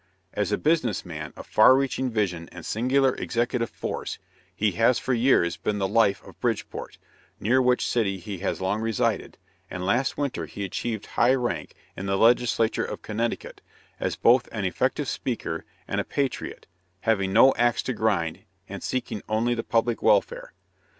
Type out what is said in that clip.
As a business man, of far reaching vision and singular executive force, he has for years been the life of Bridgeport, near which city he has long resided, and last winter he achieved high rank in the Legislature of Connecticut, as both an effective speaker and a patriot, having "no axe to grind," and seeking only the public welfare.